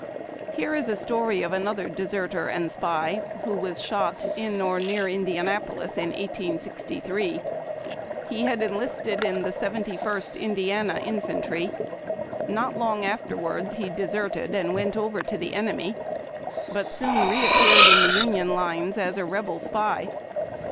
Here is a story of another deserter and spy, who was shot in or near Indianapolis in 1863. He had enlisted in the Seventy First Indiana Infantry. Not long afterwards he deserted and Avent over to the enemy, but soon reappeared in the Union lines as a Rebel spy.